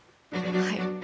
はい。